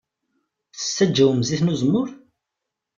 Tessaǧawem zzit n uzemmur?